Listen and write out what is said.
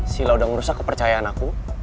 sila udah merusak kepercayaan aku